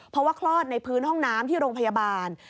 เพราะว่าคลอดในพื้นห้องน้ำที่โรงพยาบาล